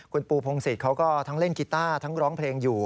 คุณปูพงศิษย์เขาก็ทั้งเล่นกีต้าทั้งร้องเพลงอยู่